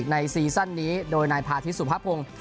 ซีซั่นนี้โดยนายพาธิสุภพงศ์